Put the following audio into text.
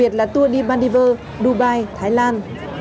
tour đi maldives dubai thái lan